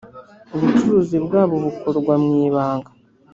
ubucuruzi bwabo bukorwa mwibanga.